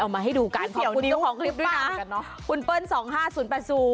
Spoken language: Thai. เอามาให้ดูก่อนขอบคุณตัวของคลิปด้วยน่ะคุณเปิ้ล๒๕๐๘๐